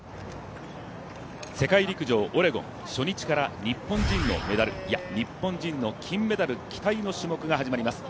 世界陸上オレゴン初日から日本人のメダル、いや日本人の金メダル、期待の種目が始まります。